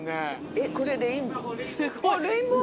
えっこれレインボー。